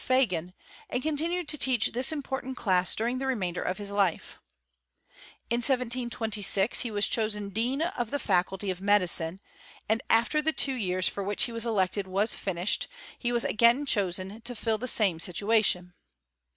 Pa gan, and continued to teach this important class durmg die remainder of his life. In 1726 he was chosen dean of the faculty of medicine; and, after the two years for which he was elected was finished, he wai again chosen to fill the same situatbn.